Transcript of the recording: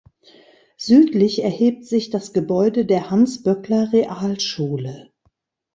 Südlich erhebt sich das Gebäude der Hans-Böckler-Realschule.